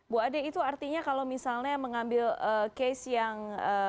bu ade itu artinya kalau misalnya mengambil case yang